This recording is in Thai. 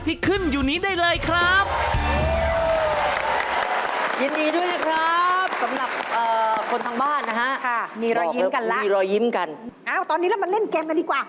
ตอนนี้เรามาเล่นเกมกันดีกว่า